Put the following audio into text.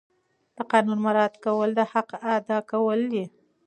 د قانون مراعات کول د حق ادا کول دي.